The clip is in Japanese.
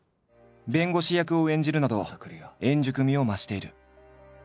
弁護士役を演じるなど円熟味を増している。